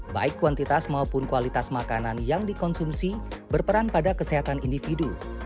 baik kuantitas maupun kualitas makanan yang dikonsumsi berperan pada kesehatan individu